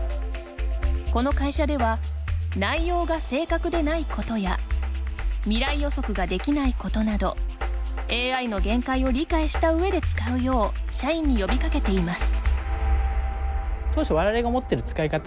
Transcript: この会社では内容が正確でないことや未来予測ができないことなどＡＩの限界を理解した上で使うよう社員に呼びかけています。